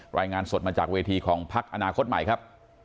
รายงานสดมาจากเวทีของพักอนาคตใหม่ครับ